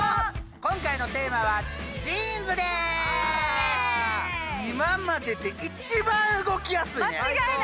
今回のテーマは今までで一番動きやすいね！